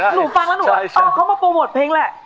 หนูฟังแล้วหนูชอบเขามาโปรโมทเพลงแหละ